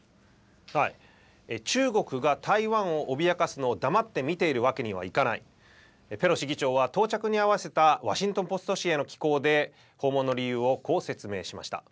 中国が台湾を脅かすのを黙って見ているわけにはいかない、ペロシ議長は到着に合わせたワシントン・ポスト紙への寄稿で訪問の理由をこう説明しました。